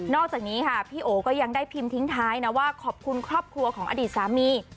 อกจากนี้ค่ะพี่โอก็ยังได้พิมพ์ทิ้งท้ายนะว่าขอบคุณครอบครัวของอดีตสามี